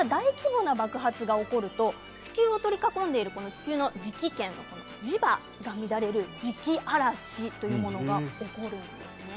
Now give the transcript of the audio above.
大規模な爆発が起こると地球を取り囲んでいる地球の磁気圏、磁場が乱れる磁気嵐というものが起こるんです。